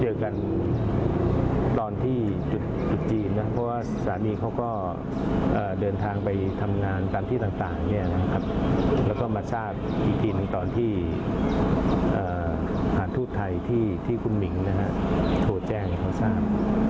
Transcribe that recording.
เจอกันตอนที่จุดจีนนะเพราะว่าสามีเขาก็เดินทางไปทำงานตามที่ต่างแล้วก็มาทราบอีกทีหนึ่งตอนที่สถานทูตไทยที่คุณหมิงโทรแจ้งให้เขาทราบ